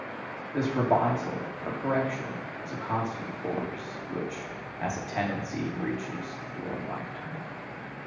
This revisal or correction is a constant force, which, as a tendency, reaches through our lifetime.